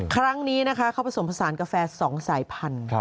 ครั้งนี้นะคะเขาผสมผสานกาแฟ๒สายพันธุ์